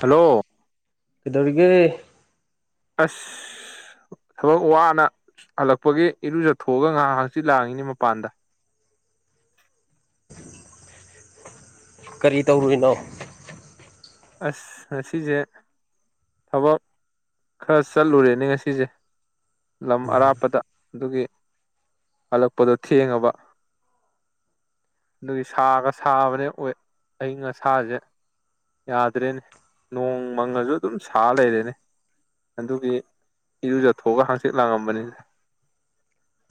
hello ꯀꯩꯗꯧꯔꯤꯒꯦ ꯑꯁ ꯊꯕꯛ ꯋꯥꯅ ꯍꯜꯂꯛꯄꯒꯤ ꯏꯔꯨꯖꯊꯣꯛꯑꯒ ꯉꯥꯏꯍꯥꯛ ꯍꯪꯆꯤꯠ ꯂꯥꯡꯉꯤꯅꯤ ꯃꯄꯥꯟꯗ ꯀꯔꯤ ꯇꯧꯔꯨꯔꯤꯅꯣ ꯑꯁ ꯉꯁꯤꯁꯦ ꯊꯕꯛ ꯈꯔ ꯆꯠꯂꯨꯔꯦꯅꯦ ꯉꯁꯤꯁꯦ ꯂꯝ ꯑꯔꯥꯞꯄꯗ ꯑꯗꯨꯒꯤ ꯍꯜꯂꯛꯄꯗ ꯊꯦꯡꯉꯕ ꯑꯗꯨ ꯁꯥꯒ ꯁꯥꯕꯅꯦ ꯑꯣꯏ ꯑꯏꯤꯡ ꯑꯁꯥꯁꯦ ꯌꯥꯗ꯭ꯔꯦꯅꯦ ꯅꯣꯡ ꯃꯪꯉꯁꯨ ꯑꯗꯨꯝ ꯁꯥ ꯂꯩꯔꯦꯅꯦ ꯑꯗꯨꯒꯤ ꯏꯔꯨꯖꯊꯣꯛꯑꯒ ꯍꯥꯡꯆꯤꯠ ꯂꯥꯡꯉꯝꯕꯅꯤ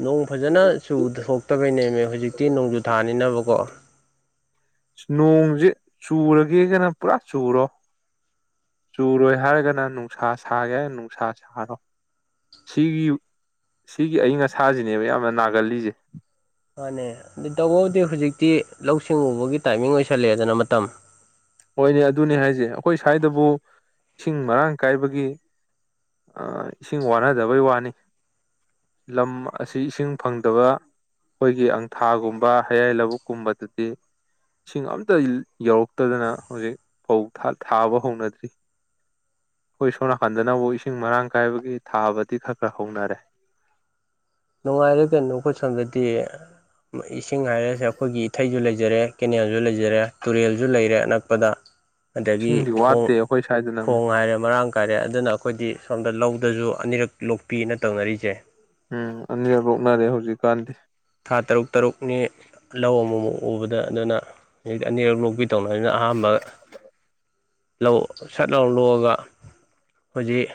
ꯅꯣꯡ ꯐꯖꯅ ꯆꯨ ꯊꯣꯛꯇꯕꯩꯅꯦꯃꯦ ꯍꯧꯖꯤꯛꯇꯤ ꯅꯣꯡꯖꯨ ꯊꯥꯅꯤꯅꯕꯀꯣ ꯅꯣꯡꯁꯦ ꯆꯨꯔꯒꯦ ꯀꯅ ꯄꯨꯔꯥ ꯆꯨꯔꯣ ꯆꯨꯔꯣꯏ ꯍꯥꯏꯔꯒꯅ ꯅꯨꯡꯁꯥ ꯁꯥꯒꯦ ꯅꯨꯡꯁꯥ ꯁꯥꯔꯣ ꯁꯤꯒꯤ ꯁꯤꯒꯤ ꯑꯏꯪ ꯑꯁꯥꯁꯤꯅꯦꯕ ꯌꯥꯝꯅ ꯅꯥꯒꯜꯂꯤꯁꯦ ꯃꯥꯅꯦ ꯑꯗꯨ ꯇꯧꯕꯕꯨꯗꯤ ꯍꯧꯖꯤꯛꯇꯤ ꯂꯧꯁꯤꯡ ꯎꯕꯒꯤ ꯇꯥꯏꯃꯤꯡ ꯑꯣꯏꯁꯜꯂꯑꯦꯗꯅ ꯃꯇꯝ ꯍꯣꯏꯅꯦ ꯑꯗꯨꯅꯤ ꯍꯥꯏꯁꯦ ꯑꯩꯈꯣꯏ ꯁ꯭ꯋꯥꯏꯗꯕꯨ ꯏꯁꯤꯡ ꯃꯔꯥꯡ ꯀꯥꯏꯕꯒꯤ ꯏꯁꯤꯡ ꯋꯥꯅꯗꯕꯩ ꯋꯥꯅꯤ ꯂꯝ ꯑꯁꯤ ꯏꯁꯤꯡ ꯐꯪꯗꯕ ꯑꯩꯈꯣꯏꯒꯤ ꯑꯪꯊꯥꯒꯨꯝꯕ ꯍꯌꯥꯏ ꯂꯧꯕꯨꯛꯀꯨꯝꯕꯗꯨꯗꯤ ꯏꯁꯤꯡ ꯑꯝꯇ ꯌꯧꯔꯛꯇꯗꯅ ꯍꯧꯖꯤꯛ ꯐꯧ ꯊꯥꯕ ꯍꯧꯅꯗ꯭ꯔꯤ ꯑꯩꯈꯣꯏ ꯁꯣꯝ ꯅꯥꯀꯟꯗꯅꯕꯨ ꯏꯁꯤꯡ ꯃꯔꯥꯡ ꯀꯥꯏꯕꯒꯤ ꯊꯥꯕꯗꯤ ꯈꯔ ꯈꯔ ꯍꯧꯅꯔꯦ ꯅꯨꯡꯉꯥꯏꯔꯦꯒꯩꯅꯣ ꯑꯈꯣꯏꯁꯣꯟꯗꯗꯤ ꯏꯁꯤꯡ ꯍꯥꯏꯔꯁꯦ ꯑꯩꯈꯣꯏꯒꯤ ꯏꯊꯩꯁꯨ ꯂꯩꯖꯔꯦ ꯀꯦꯅꯦꯜꯁꯨ ꯂꯩꯖꯔꯦ ꯇꯨꯔꯦꯜꯁꯨ ꯂꯩꯔꯦ ꯑꯅꯛꯄꯗ ꯑꯗꯒꯤ ꯏꯁꯤꯡꯗꯤ ꯈꯣꯡ ꯋꯥꯠꯇꯦ ꯑꯩꯈꯣꯏ ꯁ꯭ꯋꯥꯏꯗꯅ ꯈꯣꯡ ꯑꯃꯨꯛ ꯍꯥꯏꯔꯦ ꯃꯔꯥꯡ ꯀꯥꯏꯔꯦ ꯑꯗꯨꯅ ꯑꯩꯈꯣꯏꯗꯤ ꯁꯣꯝꯗ ꯂꯧꯗꯁꯨ ꯑꯅꯤꯔꯛ ꯂꯣꯛꯄꯤꯅ ꯇꯧꯅꯔꯤꯁꯦ ꯎꯝ ꯑꯅꯤꯔꯛ ꯂꯣꯛꯅꯔꯦ ꯍꯧꯖꯤꯛꯀꯥꯟꯗꯤ ꯊꯥ ꯇꯔꯨꯛ ꯇꯔꯨꯛꯅꯤ ꯂꯧ ꯑꯃꯃꯨꯛ ꯎꯕꯗ ꯑꯗꯨꯅ ꯍꯧꯖꯤꯛꯇ ꯑꯅꯤꯔꯛ ꯂꯣꯛꯕꯤ ꯇꯧꯅꯕꯅꯤꯅ ꯑꯍꯥꯟꯕ ꯂꯧ ꯁꯠ ꯂꯧ ꯂꯣꯛꯑꯒ ꯍꯧꯖꯤꯛ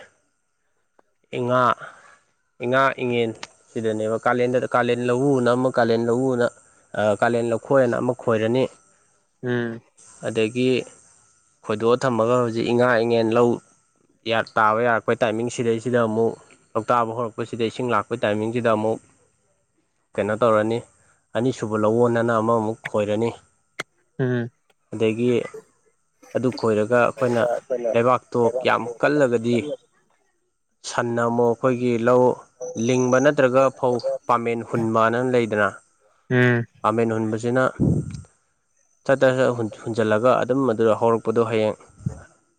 ꯏꯉꯥ ꯏ ꯉꯥ ꯏꯉꯦꯟ ꯁꯤꯗꯅꯦꯕ ꯀꯥꯂꯦꯟꯗ ꯀꯥꯂꯦꯟ ꯂꯧꯎꯅ ꯑꯃ ꯀꯥꯂꯦꯟ ꯂꯧꯎꯅ ꯑ ꯀꯥꯂꯦꯟ ꯂꯧꯈꯣꯏ ꯑꯅ ꯑꯃꯨꯛ ꯈꯣꯏꯔꯅꯤ ꯎꯝ ꯑꯗꯒꯤ ꯈꯣꯏꯗꯣꯛꯑ ꯊꯝꯃꯒ ꯍꯧꯖꯤꯛ ꯏꯉꯥ ꯏꯉꯦꯟ ꯂꯧ ꯋꯥ ꯇꯥꯕ ꯌꯥꯔꯛꯄꯩ ꯇꯥꯏꯃꯤꯡ ꯁꯤꯗꯩꯁꯤ ꯁꯤꯗ ꯑꯃꯨꯛ ꯂꯥꯎꯇꯥꯛꯕ ꯍꯧꯔꯛꯄꯁꯤꯗ ꯏꯁꯤꯡ ꯂꯥꯛꯄꯩ ꯇꯥꯏꯃꯤꯡꯁꯤꯗ ꯑꯃꯨꯛ ꯀꯩꯅꯣ ꯇꯧꯔꯅꯤ ꯑꯅꯤꯁꯨꯕ ꯂꯧꯋꯣꯟꯅ ꯑꯃꯃꯨꯛ ꯈꯣꯏꯔꯅꯤ ꯎꯝ ꯑꯗꯒꯤ ꯑꯗꯨ ꯈꯣꯏꯔꯒ ꯑꯩꯈꯣꯏꯅ ꯂꯩꯕꯥꯛꯇꯣ ꯌꯥꯝ ꯀꯜꯂꯒꯗꯤ ꯁꯟꯅꯃꯨꯛ ꯑꯩꯈꯣꯏꯒꯤ ꯂꯧ ꯂꯤꯡꯕ ꯅꯠꯇ꯭ꯔꯒ ꯐꯧ ꯄꯥꯃꯦꯟ ꯍꯨꯟꯕꯅ ꯂꯩꯗꯅ ꯎꯝ ꯄꯥꯃꯦꯟ ꯍꯨꯟꯕꯁꯤꯅ ꯁꯠ ꯆꯠ ꯁ ꯍꯨꯟꯖꯜꯂꯒ ꯑꯗꯨꯝ ꯑꯗꯨꯗ ꯍꯧꯔꯛꯄꯗꯣ ꯍꯌꯦꯡ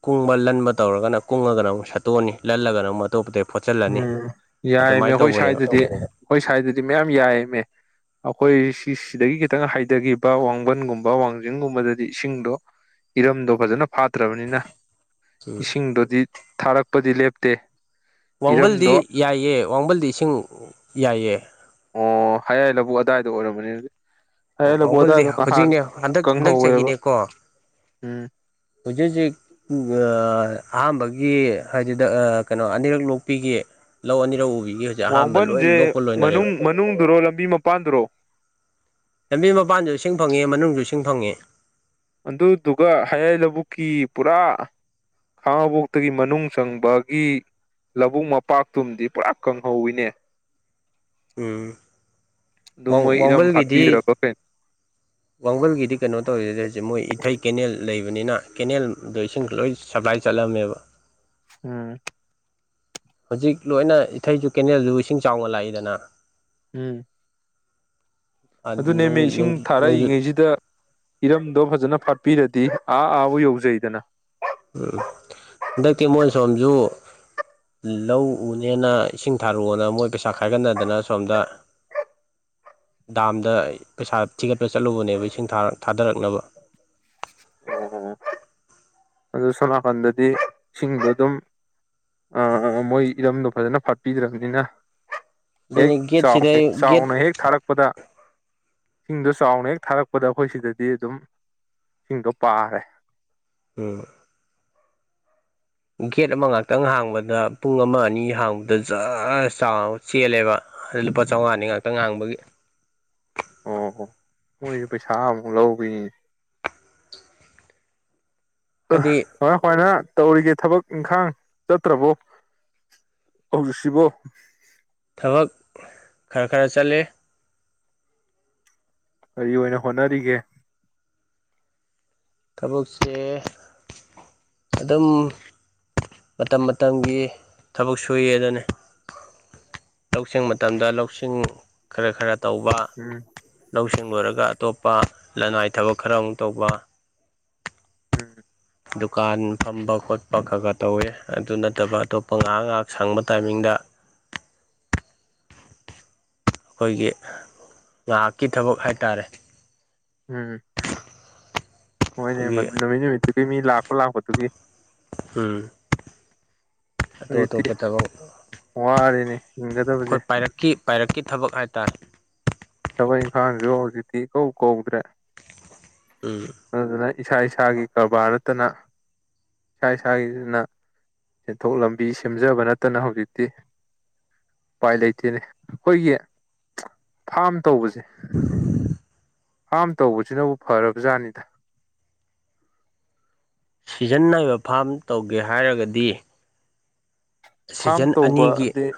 ꯀꯨꯡꯕ ꯂꯟꯕ ꯇꯧꯔꯒ ꯀꯨꯡꯉꯒ ꯑꯃꯨꯛ ꯁꯠꯇꯣꯛꯑꯅꯤ ꯂꯜꯂꯒ ꯑꯃꯨꯛ ꯑꯇꯣꯞ ꯄꯗꯩ ꯎꯝ ꯌꯥꯏꯌꯦꯃꯦ ꯑꯩꯈꯣꯏ ꯁꯥꯏꯗꯗꯤ ꯑꯩꯈꯣꯏ ꯁꯥꯏꯗꯗꯤ ꯃꯌꯥꯝ ꯌꯥꯏꯌꯦꯃꯦ ꯑꯩꯈꯣꯏ ꯁꯤ ꯁꯤꯗꯒꯤ ꯈꯤꯇꯪ ꯍꯥꯏꯗꯒꯤꯕ ꯋꯥꯡꯕꯟꯒꯨꯝꯕ ꯋꯥꯡꯖꯤꯡꯒꯨꯝꯕꯗꯗꯤ ꯏꯁꯤꯡꯗꯣ ꯏꯔꯝꯗꯣ ꯐꯖꯅ ꯐꯥꯠꯇ꯭ꯔꯕꯅꯤꯅ ꯎꯝ ꯏꯁꯤꯡꯗꯨꯗꯤ ꯊꯥꯔꯛꯄꯗꯤ ꯂꯦꯞꯇꯦ ꯋꯥꯡꯕꯜꯗꯤ ꯏꯔꯝꯗꯣ ꯌꯥꯏꯌꯦ ꯋꯥꯡꯕꯜꯗꯤ ꯏꯁꯤꯡ ꯌꯥꯏꯌꯦ ꯑꯣ ꯍꯌꯥꯏ ꯂꯕꯨꯨꯛ ꯑꯗꯥꯏꯗ ꯑꯣꯏꯔꯝꯃꯅꯤ ꯑꯗꯨꯗꯤ ꯑꯣ ꯋꯥꯡꯃꯜꯗꯤ ꯍꯧꯖꯤꯛꯅꯦ ꯍꯟꯗꯛ ꯍꯟꯗꯛ ꯀꯪꯍꯧꯋꯦꯕ ꯆꯍꯤꯅꯦꯀꯣ ꯎꯝ ꯍꯧꯖꯤꯛ ꯍꯧꯖꯤꯛ ꯑꯍꯥꯥꯟꯕꯒꯤ ꯍꯥꯏꯖꯤꯗ ꯀꯩꯅꯣ ꯑꯅꯤꯔꯛ ꯂꯣꯛꯄꯤꯒꯤ ꯂꯧ ꯑꯅꯤꯔꯛ ꯎꯕꯤꯒꯤ ꯍꯧꯖꯤꯛ ꯑꯍꯥꯟꯕ ꯂꯣꯏ ꯋꯥꯡꯕꯟꯖꯦ ꯂꯣꯛꯄ ꯂꯣꯏꯅꯔꯦꯕ ꯃꯅꯨꯡ ꯃꯅꯨꯡꯗꯨꯔꯣ ꯂꯝꯕꯤ ꯃꯄꯥꯟꯗꯨꯔꯣ ꯂꯝꯕꯤ ꯃꯄꯥꯟꯖꯨ ꯏꯁꯤꯡ ꯐꯪꯉꯦ ꯃꯅꯨꯡꯖꯨ ꯏꯁꯤꯡ ꯐꯪꯉꯦ ꯑꯗꯨꯗꯨꯒ ꯍꯌꯥꯏ ꯂꯕꯨꯛꯀꯤ ꯄꯨꯔꯥ ꯈꯉꯥꯕꫭꯛꯇꯒꯤ ꯃꯅꯨꯡ ꯆꯪꯕꯒꯤ ꯂꯕꯨꯛ ꯃꯄꯥꯛꯇꯨꯨꯝꯗꯤ ꯄꯨꯔꯥ ꯀꯪꯍꯧꯋꯤꯅꯦ ꯎꯝ ꯑꯗꯨ ꯋꯥꯎ ꯃꯣꯏ ꯏꯔꯝ ꯋꯥꯎꯃꯜꯒꯤꯗꯤ ꯐꯥꯠꯄꯤꯗ꯭ꯔꯕ ꯀꯩꯅꯣ ꯋꯥꯡꯕꯜꯒꯤꯗꯤ ꯀꯩꯅꯣ ꯇꯧꯋꯦꯗ ꯍꯧꯖꯤꯛ ꯃꯣꯏ ꯏꯊꯩ ꯀꯦꯅꯦꯜ ꯂꯩꯕꯅꯤꯅ ꯀꯦꯅꯦꯜꯗꯣ ꯏꯁꯤꯡ ꯂꯣꯏ ꯁꯄ꯭ꯂꯥꯏ ꯆꯠꯂꯕꯅꯦꯕ ꯎꯝ ꯍꯧꯖꯤꯛ ꯂꯣꯏꯅ ꯏꯊꯩꯁꯨ ꯀꯦꯅꯦꯜꯗꯨ ꯏꯁꯤꯡ ꯆꯥꯎꯅ ꯂꯥꯛꯏꯗꯅ ꯎꯝ ꯑꯗꯨꯅꯦꯃꯦ ꯏꯁꯤꯡ ꯅꯣꯡꯖꯨꯠ ꯊꯥꯔꯛꯏꯉꯩꯁꯤꯗ ꯏꯔꯝꯗꯣ ꯐꯖꯅ ꯐꯥꯠꯄꯤꯔꯗꯤ ꯑꯥ ꯑꯥꯕꯨ ꯌꯧꯖꯩꯗꯅ ꯎꯝ ꯍꯟꯗꯛꯇꯤ ꯃꯣꯏ ꯁꯣꯝꯖꯨ ꯂꯧ ꯎꯅꯦꯅ ꯏꯁꯤꯡ ꯊꯥꯔꯛꯑꯣꯅ ꯃꯣꯏ ꯄꯩꯁꯥ ꯈꯥꯏꯒꯠꯅꯗꯅ ꯑꯁꯣꯝꯗ ꯗꯥꯝꯗ ꯄꯩꯁꯥ ꯊꯤꯒꯠꯄ ꯆꯠꯂꯨꯕꯅꯦꯕ ꯏꯁꯤꯡ ꯊꯥꯗꯔꯛꯅꯕ ꯑꯣ ꯑꯗꯨ ꯁꯣꯅꯥꯀꯟꯗꯗꯤ ꯏꯁꯤꯡꯗꫭ ꯑꯗꯨꯝ ꯑꯥ ꯑꯥ ꯃꯣꯏ ꯏꯔꯝꯗꯣ ꯐꯖꯅ ꯐꯠꯄꯤꯗ꯭ꯔꯕꯅꯤꯅ ꯍꯦꯛ ꯑꯗꯨꯅꯤ ꯆꯥꯎ ꯒꯦꯠꯁꯤꯗ ꯒꯦꯠ ꯆꯥꯎꯅ ꯍꯦꯛ ꯊꯥꯔꯛ ꯄꯗ ꯏꯁꯤꯡꯗꯣ ꯆꯥꯎꯅ ꯍꯦꯛ ꯊꯥꯔꯛꯄꯗ ꯑꯩꯈꯣꯏ ꯁꯤꯗꯗꯤ ꯑꯗꯨꯝ ꯏꯁꯤꯡꯗꯣ ꯄꯥꯔꯦ ꯎꯝ ꯒꯦꯠ ꯑꯃ ꯉꯥꯛꯇꯪ ꯍꯥꯡꯕꯗ ꯄꯨꯡ ꯑꯃ ꯑꯅꯤ ꯍꯥꯡꯕꯗ ꯖꯔ ꯆꯥꯎ ꯆꯦꯜꯂꯦꯕ ꯑꯗꯨ ꯂꯨꯄꯥ ꯆꯧꯉꯥꯅꯤ ꯉꯥꯛꯇꯪ ꯍꯥꯡꯕꯒꯤ ꯑꯣ ꯑꫭ ꯃꯣꯏꯖꯦ ꯄꯩꯁꯥꯃꯨꯛ ꯂꯧꯕꯤꯅꯤꯅꯦ ꯍꯥꯏꯗꯤ ꯀꯃꯥꯏ ꯀꯃꯥꯏꯅ ꯇꯧꯔꯤꯒꯦ ꯊꯕꯛ ꯏꯪꯈꯥꯡ ꯆꯠꯇ꯭ꯔꯕꯣ ꯍꯧꯖꯤꯛꯁꯤꯕꯣ ꯊꯕꯛ ꯈꯔ ꯈꯔ ꯆꯠꯂꯦ ꯀꯔꯤ ꯑꯣꯏꯅ ꯍꯣꯠꯅꯔꯤꯒꯦ ꯊꯕꯛꯁꯦ ꯑꯗꯨꯝ ꯃꯇꯝ ꯃꯇꯝꯒꯤ ꯊꯕꯛ ꯁꯨꯏ ꯑꯗꯨꯅꯤ ꯂꯧꯁꯤꯡ ꯃꯇꯝꯗ ꯂꯧꯁꯤꯡ ꯈꯔ ꯈꯔ ꯇꯧꯕ ꯎꯝ ꯂꯧꯁꯤꯡ ꯂꯣꯏꯔꯒ ꯑꯇꯣꯞꯄ ꯂꯅꯥꯏ ꯊꯕꯛ ꯈꯔ ꯑꯃꯨꯛ ꯇꯧꯕ ꯎꯝ ꯗꯨꯀꯥꯟ ꯐꯝꯕ ꯈꯣꯠꯄ ꯈꯔ ꯈꯔ ꯇꯧꯋꯦ ꯑꯗꯨ ꯅꯠꯇꯕ ꯑꯇꯣꯞꯄ ꯉꯍꯥꯛ ꯉꯍꯥꯛ ꯁꯪꯕ ꯇꯥꯏꯃꯤꯡꯗ ꯑꯩꯈꯣꯏꯒꯤ ꯉꯍꯥꯛꯀꯤ ꯊꯕꯛ ꯍꯥꯏꯇꯥꯔꯦ ꯎꯝ ꯍꯣꯏꯅꯦ ꯑꯩꯈꯣꯏꯒꯤ ꯅꯨꯃꯤꯠ ꯅꯨꯃꯤꯠꯇꯨꯒꯤ ꯃꯤ ꯂꯥꯛꯄ ꯂꯥꯛꯄꯗꯨꯒꯤ ꯎꯝ ꯑꯇꯣꯞ ꯍꯧꯖꯤꯛꯇꯤ ꯑꯇꯣꯞꯄ ꯊꯕꯛ ꯋꯥꯔꯦꯅꯦ ꯍꯤꯡꯒꯗꯕꯁꯦ ꯑꯩꯈꯣꯏ ꯄꯥꯏꯔꯛ ꯀꯤ ꯄꯥꯏꯔꯛꯀꯤ ꯊꯕꯛ ꯍꯥꯏꯇꯥꯔꯦ ꯊꯕꯛ ꯏꯪꯈꯥꯡꯖꯨ ꯍꯧꯖꯤꯛꯇꯤ ꯏꯀꯧ ꯀꯧꯗ꯭ꯔꯦ ꯎꯝ ꯑꯗꯨꯗꯨꯅ ꯏꯁꯥ ꯏꯁꯥꯒꯤ ꯀꯔꯕꯥꯔ ꯅꯠꯇꯅ ꯏꯁꯥ ꯏꯁꯥ ꯅ ꯁꯦꯟꯊꯣꯛ ꯂꯝꯕꯤ ꯁꯦꯝꯖꯕ ꯅꯠꯇꯅ ꯍꯧꯖꯤꯛꯇꯤ ꯎꯄꯥꯏ ꯂꯩꯇꯦꯅꯦ ꯑꯩꯈꯣꯏꯒꯤ ꯐꯥꯝ ꯇꯧꯕꯖꯦ ꯐꯥꯝ ꯇꯧꯕꯖꯤꯅꯕꯨ ꯐꯔꯕꯖꯥꯠꯅꯤꯗ ꯁꯤꯖꯤꯟ ꯅꯥꯏꯕ ꯐꯥꯝ ꯇꯧꯒꯦ ꯍꯥꯏꯔꯒꯗꯤ ꯐꯥꯔꯝ ꯁꯤꯖꯟ ꯇꯧꯕ ꯑꯅꯤꯒꯤ ꯗꯤ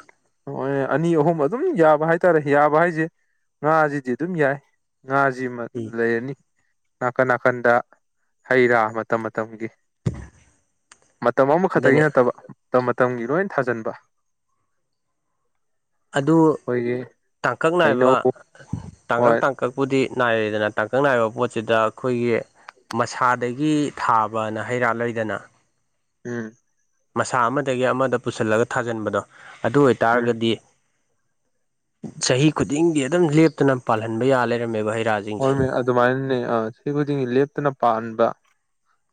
ꯍꯣꯏ ꯑꯅꯤ ꯑꯍꯨꯝ ꯑꯗꯨꯝ ꯌꯥꯕ ꯍꯥꯏꯇꯥꯔꯦ ꯌꯥꯕ ꯍꯥꯏꯖꯦ ꯉꯥꯖꯤꯗꯤ ꯑꯗꯨꯝ ꯌꯥꯏ ꯉꯥꯖꯤꯃ ꯎꯝ ꯂꯩꯔꯅꯤ ꯅꯥꯀꯟ ꯅꯥꯀꯟꯗ ꯍꯩ-ꯔꯥ ꯃꯇꯝ ꯃꯇꯝꯒꯤ ꯃꯇꯝ ꯑꯃꯈꯠꯇꯒꯤ ꯑꯗꯨꯅꯦ ꯅꯠꯇꯕ ꯃꯇꯝ ꯃꯇꯝꯒꯤ ꯂꯣꯏꯟ ꯊꯥꯖꯟꯕ ꯑꯗꯨ ꯇꯥꯡꯀꯛ ꯍꯩꯅꯧ ꯅꯥꯏꯕ ꯇꯥꯡꯀꯛ ꯍꯣꯏ ꯇꯥꯡ ꯀꯛꯄꯨꯗꯤ ꯅꯥꯏꯔꯦꯗꯅ ꯇꯥꯡꯀꯛ ꯅꯥꯏꯕ ꯄꯣꯠꯁꯤꯗ ꯑꯩꯈꯣꯏꯒꯤ ꯃꯁꯥꯗꯒꯤ ꯊꯥꯕꯅ ꯍꯩꯔꯥ ꯂꯩꯗꯅ ꯎꯝ ꯃꯁꯥ ꯑꯃꯗꯒꯤ ꯑꯃꯗ ꯄꯨꯁꯜꯂꯒ ꯊꯥꯖꯟꯕꯗꯣ ꯑꯗꯨ ꯎꯝ ꯑꯣꯏꯇꯥꯔꯒꯗꯤ ꯆꯍꯤ ꯈꯨꯗꯤꯡꯒꯤ ꯑꯗꯨꯝ ꯂꯦꯞꯇꯅ ꯄꯥꯜꯍꯟꯕ ꯌꯥ ꯂꯩꯔꯝꯃꯦꯕ ꯍꯩ ꯔꯥ ꯍꯣꯏ ꯃꯦ ꯑꯗꯨꯃꯥꯏꯅꯅꯦ ꯑ ꯆꯍꯤ ꯈꯨꯗꯤꯡꯒꯤ ꯂꯦꯞꯇꯅ ꯄꯥꯟꯕ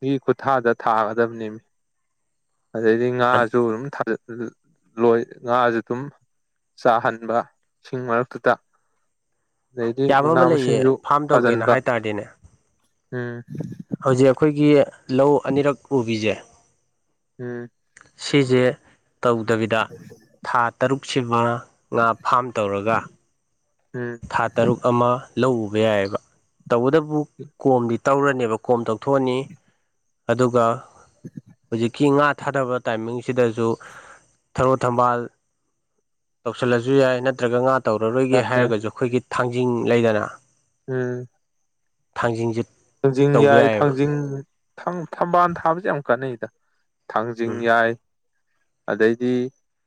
ꯒꯤ ꯈꯨꯠꯊꯥꯗ ꯊꯥꯒꯗꯝꯅꯤꯝ ꯑꯗꯩꯗꯤ ꯉꯥꯁꯨ ꯑꯗꯨꯝ ꯊꯥ [unintelligible] ꯂꯣꯏ ꯉꯥꯖꯦ ꯑꯗꯨꯝ ꯆꯥꯍꯟꯕ ꯁꯤꯡ ꯃꯔꯛꯇꯨꯗ ꯑꯗꯩꯗꯤ ꯌꯥꯕ ꯃꯅꯥ ꯑꯃ ꯂꯩꯌꯦ ꯃꯁꯤꯡꯖꯨ ꯐꯥꯝ ꯇꯧꯒꯦꯅ ꯊꯥꯖꯟꯕ ꯍꯥꯏ ꯇꯥꯔꯗꯤꯅꯦ ꯎꯝ ꯍꯧꯖꯤꯛ ꯑꯩꯈꯣꯏꯒꯤ ꯂꯧ ꯑꯅꯤꯔꯛ ꯎꯕꯤꯖꯦ ꯎꯝ ꯁꯤꯖꯦ ꯇꯧꯗꯕꯤꯗ ꯊꯥ ꯇꯔꯨꯛꯁꯤꯃ ꯉꯥ ꯐꯥꯝ ꯇꯧꯔꯒ ꯎꯝ ꯊꯥ ꯇꯔꯨꯛ ꯑꯃ ꯂꯧ ꯎꯕ ꯌꯥꯏꯑꯕ ꯇꯧꯕꯇꯕꯨ ꯀꯣꯝꯗꯤ ꯇꯧꯔꯅꯦꯕ ꯀꯣꯝ ꯇꯧꯊꯣꯛꯑꯅꯤ ꯑꯗꯨꯒ ꯍꯧꯖꯤꯛꯀꯤ ꯉꯥ ꯊꯥꯗꯕ ꯇꯥꯏꯃꯤꯡꯁꯤꯗꯖꯨ ꯊꯔꯣ ꯊꯝꯕꯥꯜ ꯇꯧꯁꯜꯂꯖꯨ ꯌꯥꯏ ꯅꯠꯇ꯭ꯔꯒ ꯉꯥ ꯇꯧꯔꯔꯣꯏꯒꯦ ꯌꯥꯏ ꯍꯥꯏꯔꯒꯖꯨ ꯑꯩꯈꯣꯏꯒꯤ ꯊꯥꯡꯖꯤꯡ ꯂꯩꯗꯅ ꯎꯝ ꯊꯥꯡꯖꯤꯡꯖꯤꯠ ꯊꯥꯡꯖꯤꯡ ꯌꯥꯏ ꯊꯥꯡꯖꯤꯡ ꯊꯝ ꯊꯝꯕꯥꯜ ꯊꯥꯕꯖꯦ ꯌꯥꯝ ꯀꯥꯟꯅꯩꯗ ꯊꯥꯡꯖꯤꯡ ꯎꯝ ꯌꯥꯏ ꯑꯗꯩꯗꯤ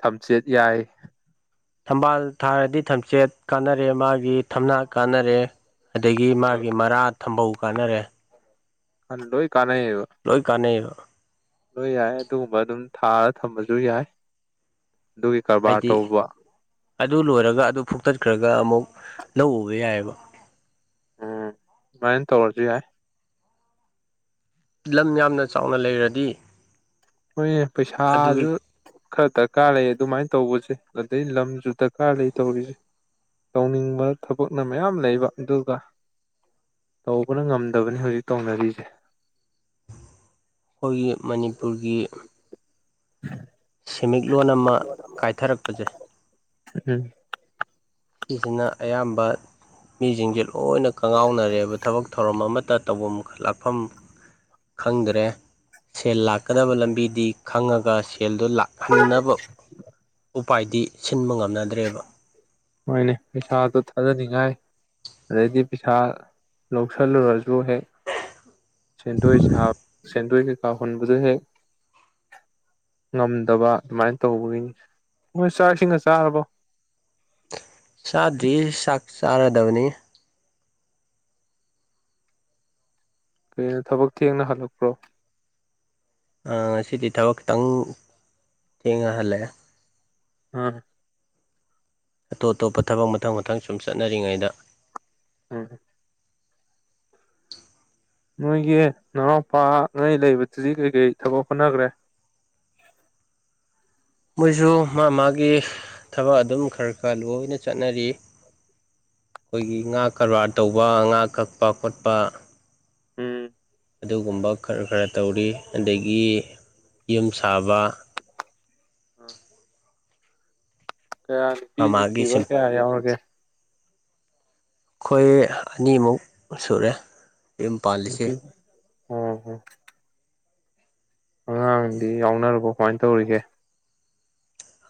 ꯊꯝꯆꯦꯠ ꯌꯥꯏ ꯊꯝꯕꯥꯜ ꯊꯥꯔꯗꯤ ꯊꯝꯆꯦꯠ ꯀꯥꯟꯅꯔꯦ ꯃꯥꯒꯤ ꯊꯝꯅꯥ ꯀꯥꯟꯅꯔꯦ ꯑꯗꯒꯤ ꯃꯥꯒꯤ ꯃꯔꯥ ꯊꯝꯕꯧ ꯀꯥꯟꯅꯔꯦ ꯗꯨꯅ ꯂꯣꯢ ꯀꯅꯩꯕ ꯂꯣꯏ ꯀꯥꯟꯅꯩꯑꯦꯕ ꯂꯣꯏ ꯌꯥꯏ ꯑꯗꯨꯒꯨꯝꯕ ꯑꯗꯨꯝ ꯊꯥꯔ ꯊꯝꯕꯁꯨ ꯌꯥꯏ ꯑꯗꯨꯒꯤ ꯀꯔꯕꯥꯔ ꯍꯥꯏꯗꯤ ꯇꯧꯕ ꯑꯗꯨ ꯂꯣꯏꯔꯒ ꯑꯗꯨ ꯐꯨꯛꯇꯠꯈ꯭ꯔꯒ ꯑꯃꯨꯛ ꯂꯧ ꯎꯕ ꯌꯥꯏꯑꯕ ꯑꯗꯨꯃꯥꯢ ꯇꯧꯔꯁꯨ ꯌꯥꯢ ꯂꯝ ꯌꯥꯝꯅ ꯆꯥꯎꯅ ꯂꯩꯔꯗꯤ ꯍꯣꯏꯅꯦ ꯑꯗꯨꯒꯤ ꯄꯩꯁꯥꯁꯨ ꯈꯔ ꯗꯔꯀꯥꯔ ꯂꯩ ꯑꯗꯨꯃꯥꯏꯅ ꯇꯧꯕꯁꯦ ꯑꯗꯩ ꯂꯝꯁꯨ ꯗꯔꯀꯥꯔ ꯂꯩ ꯇꯧꯔꯤꯁꯦ ꯇꯧꯅꯤꯡꯕ ꯊꯕꯛꯅ ꯃꯌꯥꯝ ꯂꯩꯕ ꯑꯗꯨꯒ ꯇꯧꯕꯅ ꯉꯝꯗꯕꯅꯤ ꯍꯧꯖꯤꯛ ꯇꯧꯅꯔꯤꯁꯦ ꯑꯩꯈꯣꯏꯒꯤ ꯃꯅꯤꯄꯨꯔꯒꯤ ꯍ [unintelligible] ꯁꯃꯤꯠꯂꯣꯟ ꯑꯃ ꯀꯥꯏꯊꯔꯛꯄꯁꯦ ꯎꯝ ꯁꯤꯁꯤꯅ ꯑꯌꯥꯝꯕ ꯃꯤꯁꯤꯡꯁꯦ ꯂꯣꯏꯅ ꯀꯪꯉꯥꯎꯅꯔꯦꯕ ꯊꯕꯛ ꯊꯧꯔꯝ ꯑꯃꯠꯇ ꯇꯧꯐꯝ ꯂꯥꯛꯐꯝ ꯈꯪꯗ꯭ꯔꯦ ꯁꯦꯜ ꯂꯥꯛꯀꯗꯕ ꯂꯝꯕꯤꯗꯤ ꯈꯪꯉꯒ ꯁꯦꯜꯗꯣ ꯂꯥꯛꯍꯟꯅꯕ ꯎꯄꯥꯏꯗꯤ ꯁꯤꯟꯕ ꯉꯝꯅꯗ꯭ꯔꯦꯕ ꯍꯣꯏꯅꯦ ꯄꯩꯁꯥꯗꯣ ꯊꯥꯖꯅꯤꯡꯉꯥꯏ ꯑꯗꯩꯗꯤ ꯄꯩꯁꯥ ꯂꯧꯁꯤꯜꯂꯨꯔꯁꯨ ꯗꯨꯨꯅꯦ ꯁꯦꯟꯗꯣꯏ ꯁꯥꯕ ꯁꯦꯟꯗꯣꯏ ꯀꯩꯀꯥ ꯍꯟꯕꯖꯨ ꯍꯦꯛ ꯉꯝꯗꯕ ꯑꯗꯨꯃꯥꯏꯅ ꯇꯧꯕꯒꯤꯅꯤ ꯃꯣꯏ ꯆꯥꯛ ꯏꯁꯤꯡꯒ ꯆꯥꯔꯕꯣ ꯆꯥꯗ꯭ꯔꯤ ꯆꯥꯛ ꯆꯥꯔꯗꯕꯅꯤ ꯀꯩꯅꯣ ꯊꯕꯛ ꯊꯦꯡꯅ ꯍꯜꯂꯛꯄ꯭ꯔꯣ ꯉꯁꯤꯗꯤ ꯊꯕꯛ ꯈꯤꯇꯪ ꯊꯦꯡꯅ ꯍꯜꯂꯛꯑꯦ ꯑꯥ ꯑꯇꯣꯞ ꯑꯇꯣꯞꯄ ꯊꯕꯛ ꯃꯊꯪ ꯃꯊꯪ ꯁꯨꯝ ꯆꯠꯅꯔꯤꯉꯩꯗ ꯎꯝ ꯅꯣꯏꯒꯤ ꯅꯅꯥꯎꯄꯥ ꯉꯩ ꯂꯩꯕꯗꯨꯗꯤ ꯀꯔꯤ ꯀꯔꯤ ꯊꯕꯛ ꯍꯣꯠꯅꯈ꯭ꯔꯦ ꯃꯣꯏꯁꯨ ꯃꯥ ꯃꯥꯒꯤ ꯊꯕꯛ ꯑꯗꯨꯝ ꯈꯔ ꯈꯔ ꯂꯣꯏꯅ ꯆꯠꯅꯔꯤ ꯑꯩꯈꯣꯏꯒꯤ ꯉꯥ ꯀꯔꯕꯥꯔ ꯇꯧꯕ ꯉꯥ ꯀꯛꯄ ꯈꯣꯠꯄ ꯎꯝ ꯑꯗꯨꯒꯨꯝꯕ ꯈꯔ ꯈꯔ ꯇꯧꯔꯤ ꯑꯗꯒꯤ ꯌꯨꯝ ꯁꯥꯕ ꯀꯌꯥ ꯅꯨꯄꯤꯗꯤ ꯃꯃꯥꯒꯤ ꯊꯤꯕ ꯁꯤꯟ ꯀꯌꯥ ꯌꯥꯎꯔꯒꯦ ꯑꯩꯈꯣꯏ ꯑꯅꯤꯃꯨꯛ ꯁꯨꯔꯦ ꯌꯨꯝ ꯄꯥꯜꯂꯤꯁꯦ ꯑꯣ ꯍꯣ ꯑꯉꯥꯡꯗꯤ ꯌꯥꯎꯅꯔꯕꯣ ꯀꯃꯥꯏꯅ ꯇꯧꯔꯤꯒꯦ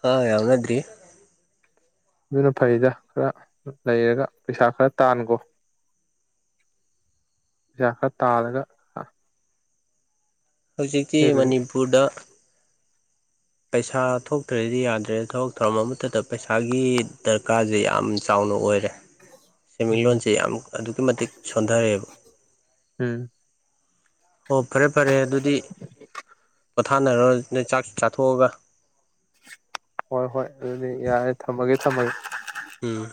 ꯑꯉꯥꯡ ꯌꯥꯎꯅꯗꯔꯤ ꯑꯗꯨꯅ ꯐꯩꯗ ꯈꯔ ꯂꯩꯔꯒ ꯄꯩꯁꯥ ꯈꯔ ꯇꯥꯟꯈꯣ ꯄꯩꯁꯥ ꯈꯔ ꯇꯥꯜꯂꯒ ꯍꯧꯖꯤꯛꯇꯤ ꯐꯦꯃꯤꯂꯤ ꯃꯅꯤꯄꯨꯔꯗ ꯄꯩꯁꯥ ꯊꯣꯛꯇ꯭ꯔꯗꯤ ꯌꯥꯗ꯭ꯔꯦ ꯊꯕꯛ ꯊꯧꯔꯝ ꯑꯃꯠꯇꯗ ꯄꯩꯁꯥꯒꯤ ꯗꯔꯀꯥꯔꯁꯦ ꯌꯥꯝ ꯆꯥꯎꯅ ꯑꯣꯏꯔꯦ ꯎꯝ ꯁꯦꯟꯃꯤꯠꯂꯣꯟꯁꯦ ꯌꯥꯝ ꯑꯗꯨꯛꯀꯤ ꯃꯇꯤꯛ ꯁꯣꯟꯊꯔꯦꯕ ꯎꯝ ꯑꯣ ꯐꯔꯦ ꯐꯔꯦ ꯑꯗꯨꯗꯤ ꯄꯣꯊꯥꯅꯔꯣ ꯅꯣꯏ ꯆꯥꯛ ꯆꯥꯊꯣꯛꯑꯒ ꯍꯣꯏ ꯍꯣꯏ ꯑꯗꯨꯗꯤ ꯌꯥꯔꯦ ꯊꯝꯃꯒꯦ ꯊꯝꯃꯒꯦ ꯎꯝ